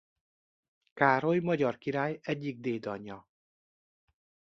Károly magyar király egyik dédanyja.